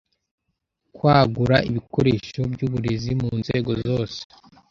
Kwagura ibikoresho byuburezi mu nzego zose